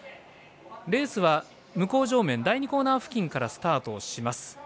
レースは、向正面第２コーナー付近からスタートをします。